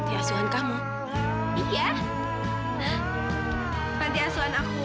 diashing tinggi pompa pasahnya